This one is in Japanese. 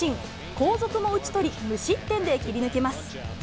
後続も打ち取り、無失点で切り抜けます。